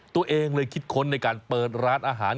ตัวเองเลยคิดค้นในการเปิดร้านอาหาร